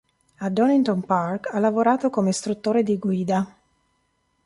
A Donington Park ha lavorato come istruttore di guida.